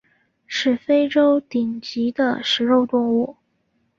是非洲顶级的食肉动物。